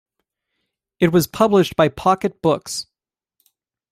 It was published by Pocket Books.